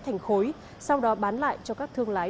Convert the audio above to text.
thành khối sau đó bán lại cho các thương lái